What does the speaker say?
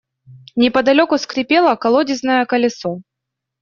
Неподалеку скрипело колодезное колесо.